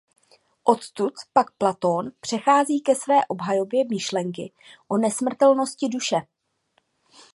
Odtud pak Platón přechází ke své obhajobě myšlenky o nesmrtelnosti duše.